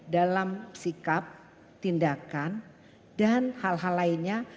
dalam sikap tindakan dan hal hal lainnya